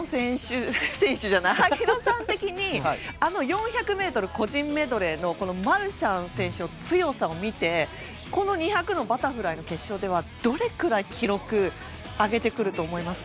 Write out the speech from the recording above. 萩野さん的に４００ｍ個人メドレーのマルシャン選手の強さを見てこの２００のバタフライの決勝はどれくらい記録を上げてくると思います？